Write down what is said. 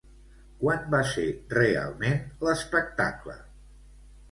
Quan va ser realment l'espectacle?